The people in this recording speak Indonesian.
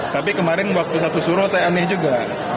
tapi kemarin waktu satu suruh saya aneh juga